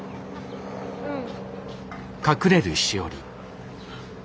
うん。